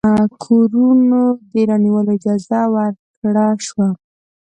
کورونو د رانیولو اجازه ورکړه شوه.